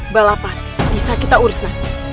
balapan bisa kita uruskan